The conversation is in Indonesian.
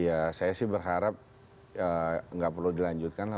ya saya sih berharap nggak perlu dilanjutkan lah